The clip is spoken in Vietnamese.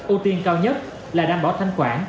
ưu tiên cao nhất là đảm bảo thanh khoản